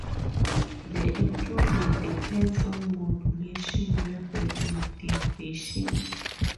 The improvement depends on modulation level and deviation.